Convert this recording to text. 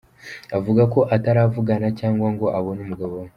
Avuga ko ataravugana cyangwa ngo abone umugabo we.